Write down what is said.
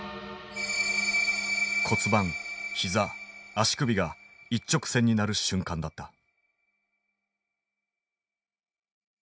骨盤ひざ足首が一直線になる瞬間だった。